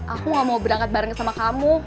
aku gak mau berangkat bareng sama kamu